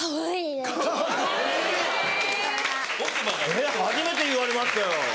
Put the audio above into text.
えっ初めて言われましたよ。